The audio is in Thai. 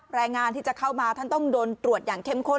แรงงานที่จะเข้ามาท่านต้องโดนตรวจอย่างเข้มข้น